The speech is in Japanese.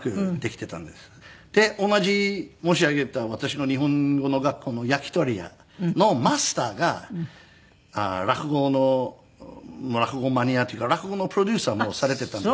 で同じ申し上げた私の日本語の学校の焼き鳥屋のマスターが落語の落語マニアというか落語のプロデューサーもされていたんです。